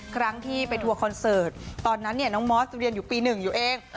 ครั้งที่ไปทัวร์คอนเสิร์ตตอนนั้นเนี่ยน้องมอสเรียนอยู่ปี๑อยู่เอง